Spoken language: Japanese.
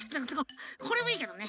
これもいいけどね。